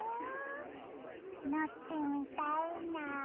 のってみたいな！